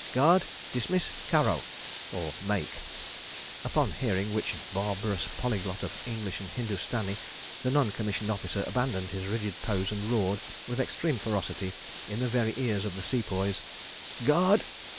Guard, dismiss karo" {21b}—upon hearing which barbarous polyglot of English and Hindustani, the Non Commissioned Officer abandoned his rigid pose and roared, with extreme ferocity, in the very ears of the Sepoys: "Guard!